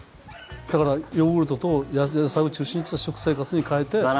だからヨーグルトと野菜を中心にした食生活に変えて。